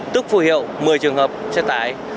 tức phù hiệu một mươi trường hợp xe tải